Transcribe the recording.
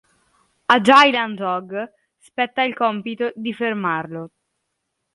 A Dylan Dog spetta il compito di fermarlo.